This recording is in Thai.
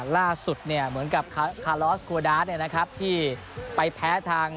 ล่าสุดเนี่ยเหมือนกับคาร์ลอสคูอดาสเนี่ยนะครับที่ไปแพ้ทาง